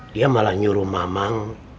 dia malah nyuruh mamang